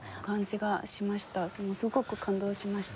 すごく感動しました。